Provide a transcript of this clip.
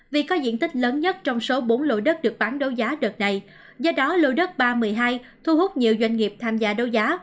vì có diện tích lớn nhất trong số bốn lô đất được bán đấu giá đợt này do đó lô đất ba trăm một mươi hai thu hút nhiều doanh nghiệp tham gia đấu giá